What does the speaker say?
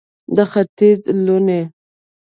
د ختیځ لوڼې